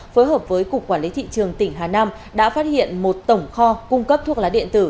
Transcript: phối hợp với cục quản lý thị trường tỉnh hà nam đã phát hiện một tổng kho cung cấp thuốc lá điện tử